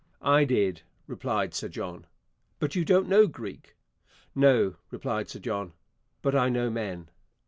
'I did,' replied Sir John. 'But you do not know Greek.' 'No,' replied Sir John, 'but I know men.'